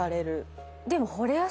でも。